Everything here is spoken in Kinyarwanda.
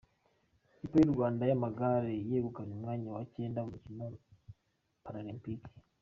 Ikipe y’u Rwanda yamagare yegukanye umwanya wa Cyenda mu mikino Paralempike